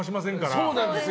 そうなんですよ。